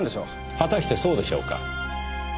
果たしてそうでしょうか。